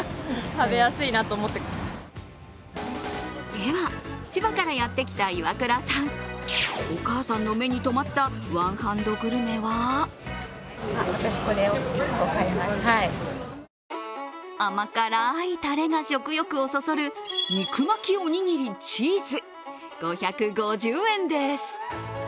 では、千葉からやってきた岩倉さん、お母さんの目にとまったワンハンドグルメは甘辛いたれが食欲をそそる肉巻きおにぎりチーズ５５０円です。